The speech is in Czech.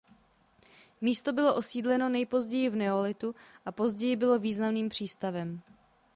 Místo bylo osídleno nejpozději v neolitu a později bylo významným přístavem.